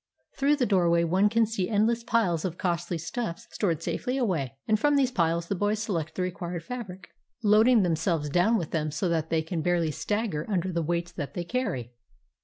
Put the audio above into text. Through the doorway one can see endless piles of costly stuffs stored safely away, and from these piles the boys select the required fabric, loading themselves down with them so that they can barely stagger under the weights that they carry.